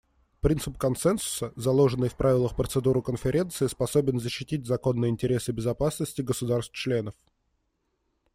Принцип консенсуса, заложенный в правилах процедуры Конференции, способен защитить законные интересы безопасности государств-членов.